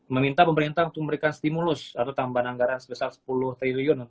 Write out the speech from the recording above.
meminta pemerintah untuk memberikan stimulus atau tambahan anggaran sebesar sepuluh triliun